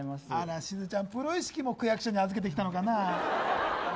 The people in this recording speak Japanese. しずちゃん、プロ意識も区役所に預けてきたのかな。